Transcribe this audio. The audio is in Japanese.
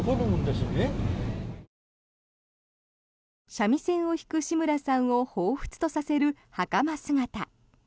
三味線を弾く志村さんをほうふつとさせる袴姿。